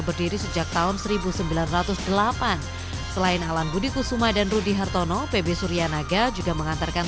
berdiri sejak tahun seribu sembilan ratus delapan selain alan budi kusuma dan rudy hartono pb suryanaga juga mengantarkan